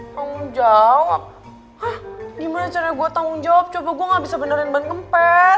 tanggung jawab hah gimana caranya gue tanggung jawab coba gue gak bisa benerin ban kempes